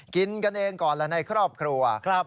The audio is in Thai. กินกันเองก่อนละในครอบครัว